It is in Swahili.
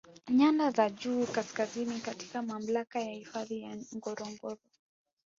Nyanda za juu Kaskazini katika mamlaka ya hifadhi ya Ngorongoro